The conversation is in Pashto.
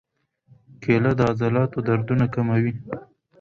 کېله د عضلاتو دردونه کموي.